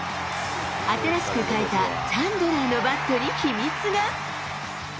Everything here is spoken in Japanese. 新しく変えたチャンドラーのバットに秘密が。